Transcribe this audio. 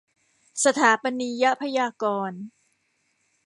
สถาปนียพยากรณ์